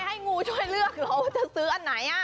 ให้งูช่วยเลือกหนูว่าจะซื้ออันไหน